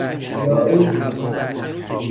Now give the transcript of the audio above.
لائوس